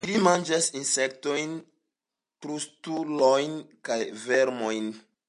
Ili manĝas insektojn, krustulojn kaj vermojn.